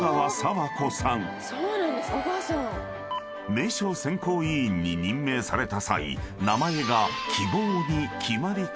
［名称選考委員に任命された際名前が］